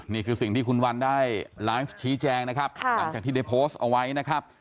นี่คือสิ่งที่คุณวันได้ไลฟ์ชี้แจงนะครับหลังจากที่ได้โพสต์เอาไว้นะครับ